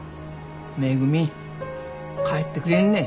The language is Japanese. めぐみ帰ってくれんね。